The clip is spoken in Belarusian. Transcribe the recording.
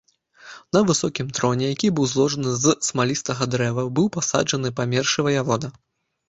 На высокім троне, які быў зложаны з смалістага дрэва, быў пасаджаны памёршы ваявода.